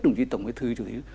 đồng chí tổng bí thư chủ tịch nước